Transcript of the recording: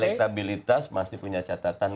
elektabilitas masih punya catatan